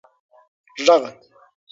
ږغ